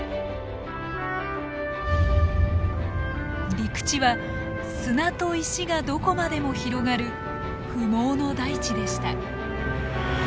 陸地は砂と石がどこまでも広がる不毛の大地でした。